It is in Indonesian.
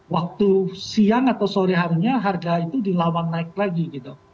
waktu siang atau sore harinya harga itu dilawan naik lagi gitu